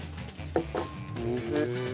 水。